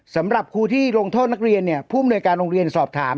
สำหรับครูที่ลงโทษนักเรียนเนี่ยผู้อำนวยการโรงเรียนสอบถาม